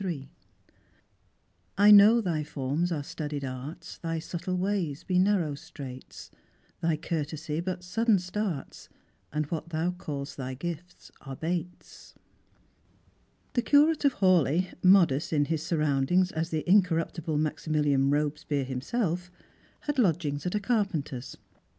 *' I know thy forms are studied arts, Thy subtle ways be narrow straits ; Thy courtesy but sudden starts, And what thou call'st thy gifts are baita," The Curate of Hawleigh, modest in his surroundings as the incorruptible Maximilian Piobespierre himself, had lodgings at a carpenter's.